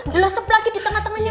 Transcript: delesep lagi di tengah tenganya